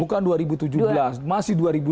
bukan dua ribu tujuh belas masih dua ribu tujuh belas